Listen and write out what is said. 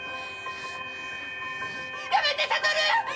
やめて悟！